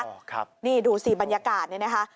ครับนี่ดูสิบรรยากาศนี่นะคะ